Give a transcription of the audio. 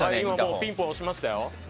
ピンポン押しましたよ。